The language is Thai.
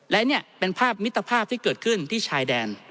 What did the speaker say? และนี่เป็นภาพมิตรภาพที่เกิดขึ้นที่ชายแดน